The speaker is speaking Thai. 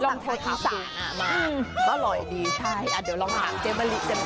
ลองทดอิสานอ่ะมาอร่อยดีใช่อ่ะเดี๋ยวเรามาหาเจ๊มะลี